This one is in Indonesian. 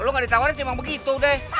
lo gak ditawarin cuma begitu deh